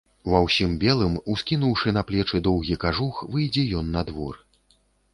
Ва ўсім белым, ускінуўшы на плечы доўгі кажух, выйдзе ён на двор.